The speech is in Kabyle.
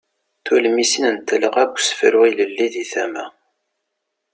Tulmisin n talɣa n usefru ilelli deg tama.